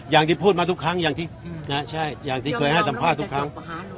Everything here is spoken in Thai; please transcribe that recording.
อย่างที่พูดมาทุกครั้งอย่างที่เคยให้สัมภาษณ์ทุกครั้ง